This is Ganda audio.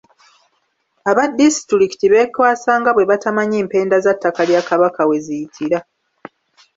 Aba disitulikiti beekwasa nga bwe batamanyi mpenda za ttaka lya Kabaka we ziyitira.